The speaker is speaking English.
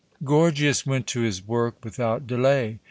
Gorgias went to his work without delay.